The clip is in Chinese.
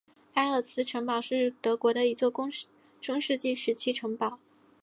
埃尔茨城堡是德国的一座中世纪时期城堡。